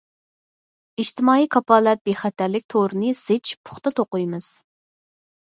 ئىجتىمائىي كاپالەت بىخەتەرلىك تورىنى زىچ، پۇختا توقۇيمىز.